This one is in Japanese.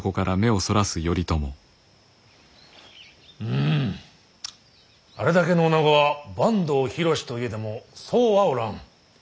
うんあれだけの女子は坂東広しといえどもそうはおらん。